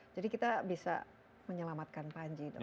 jadi kita bisa menyelamatkan panji dong